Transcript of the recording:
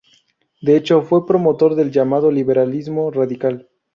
De hecho, fue promotor del llamado liberalismo radical.